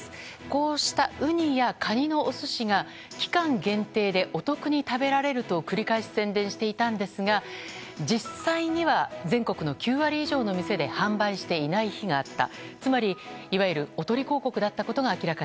こうしたウニやカニのお寿司が期間限定でお得に食べられると繰り返し宣伝していたんですが実際には全国の９割以上の店で販売していない日があった。